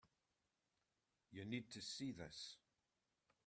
You need to see this.